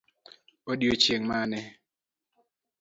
Odiochieng' mane?